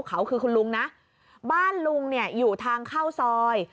เขาคือคุณลุงนะบ้านลุงเนี่ยอยู่ทางเข้าซอย